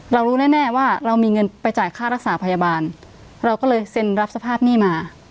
เรารู้แน่แน่ว่าเรามีเงินไปจ่ายค่ารักษาพยาบาลเราก็เลยเซ็นรับสภาพหนี้มา